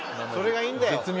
それがいいんだよ。